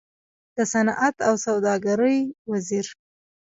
د صنعت او سوداګرۍ وزير